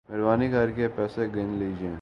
مہربانی کر کے پیسے گن لیجئے